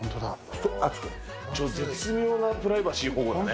絶妙なプライバシー保護だね。